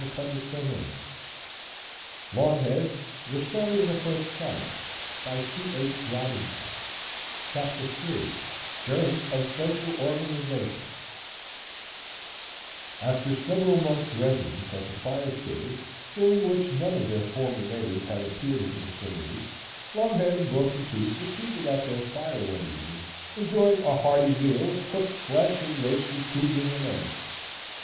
He dimly recognized that with such a weapon a small man was the equal of a giant. CHAPTER III GERMS OF SOCIAL ORGANIZATION After several months' residence at the fire cave, during which none of their former neighbors had appeared in the vicinity, Longhead and Broken Tooth were seated at their fire one evening enjoying a hearty meal of cooked flesh and roasted tubers and eggs.